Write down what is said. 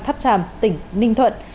tháp tràm tỉnh ninh thuận